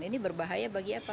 ini berbahaya bagi apa